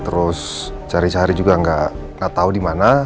terus cari cari juga gak tau dimana